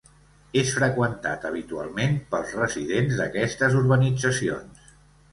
És freqüentat habitualment pels residents d'aquestes urbanitzacions.